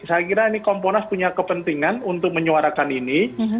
saya kira ini komponas punya kepentingan untuk menyuarakan ini